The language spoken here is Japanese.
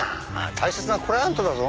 大切なクライアントだぞ。